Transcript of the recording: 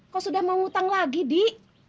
kok sudah mau ngutang lagi di